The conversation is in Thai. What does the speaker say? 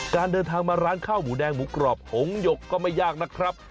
การเดินทางมาร้านข้าวหมูแดงหมูกรอบหงหยกก็ไม่ยากนะครับ